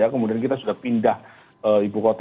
kemudian kita sudah pindah ibu kota